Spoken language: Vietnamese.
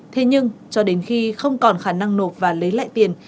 thế nhưng cho đến khi không còn khả năng nộp và lấy lại tiền